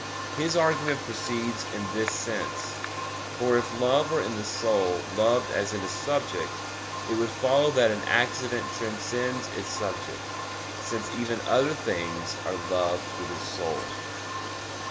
His argument proceeds in this sense; for if love were in the soul loved as in a subject, it would follow that an accident transcends its subject, since even other things are loved through the soul.